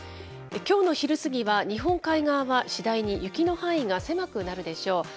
きょうの昼過ぎは日本海側は次第に雪の範囲が狭くなるでしょう。